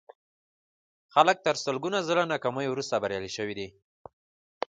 خلک تر سلګونه ځله ناکاميو وروسته بريالي شوي دي.